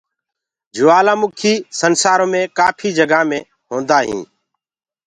جوُلآ مُکيٚ دنيآ مي ڪآپهي جگآ مي هوندآ هينٚ۔